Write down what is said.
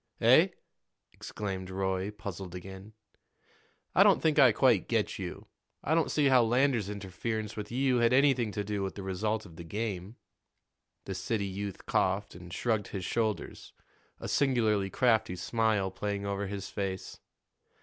"Eh?" exclaimed Roy, puzzled again. "I don't think I quite get you. I don't see how Lander's interference with you had anything to do with the result of the game." The city youth coughed and shrugged his shoulders, a singularly crafty smile playing over his face.